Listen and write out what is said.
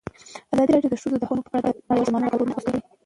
ازادي راډیو د د ښځو حقونه په اړه د نړیوالو سازمانونو راپورونه اقتباس کړي.